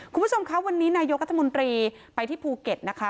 คุณผู้ชมคะวันนี้นายกรัฐมนตรีไปที่ภูเก็ตนะคะ